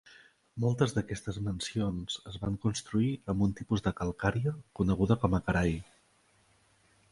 Moltes d'aquestes mansions es van construir amb un tipus de calcària coneguda com a "karai".